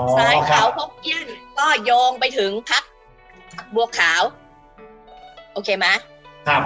สายเต่าพกเกี้ยนก็โยงไปถึงพักบวกขาวโอเคไหม